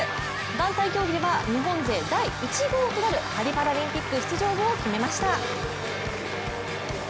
団体競技では日本勢第１号となるパリパラリンピック出場を決めました。